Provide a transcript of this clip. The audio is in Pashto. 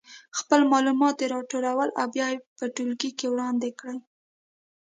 خپل معلومات دې راټول او بیا یې په ټولګي کې وړاندې کړي.